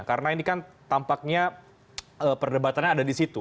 karena ini kan tampaknya perdebatannya ada di situ